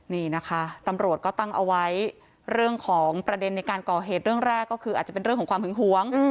นี่นะคะตำรวจก็ตั้งเอาไว้เรื่องของประเด็นในการก่อเหตุเรื่องแรกก็คืออาจจะเป็นเรื่องของความหึงหวง